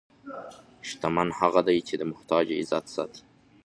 شتمن هغه دی چې د محتاج عزت ساتي.